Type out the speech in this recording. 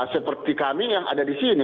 seperti kami yang ada di sini